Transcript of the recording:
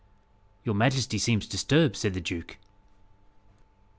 "Your majesty seems disturbed," said the duke.